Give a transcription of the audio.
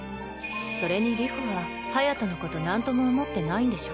それに流星は隼のことなんとも思ってないんでしょ。